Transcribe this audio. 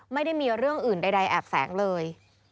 ไม่ได้มีเรื่องอื่นใดแอบแฝงเลย